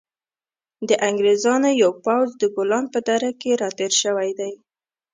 د انګریزانو یو پوځ د بولان په دره کې را تېر شوی دی.